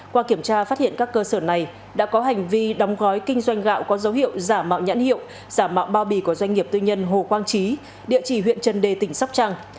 qua kiểm tra phát hiện các cơ sở này đã có hành vi đóng gói kinh doanh gạo có dấu hiệu giả mạo nhãn hiệu giả mạo bao bì của doanh nghiệp tư nhân hồ quang trí địa chỉ huyện trần đề tỉnh sóc trăng